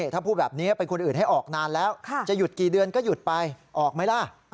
ถ้าพูดแบบนี้เป็นคนอื่นให้ออกนานแล้วจะหยุดกี่เดือนก็หยุดไปออกไหมล่ะ